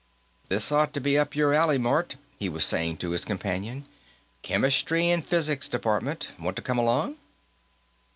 "This ought to be up your alley, Mort," he was saying to his companion. "Chemistry and physics department. Want to come along?"